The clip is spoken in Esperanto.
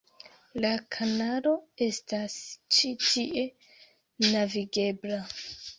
La kanalo estas ĉi tie navigebla.